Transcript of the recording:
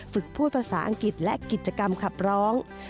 พูดภาษาอังกฤษและกิจกรรมขับร้อง